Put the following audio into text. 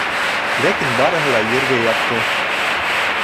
Ләкин барыһы ла ергә ятты.